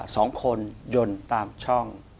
สองคนยนต์ตามช่อง